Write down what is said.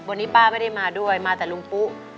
วันนี้ป้าไม่ได้มาด้วยมาแต่ลุงปุ๊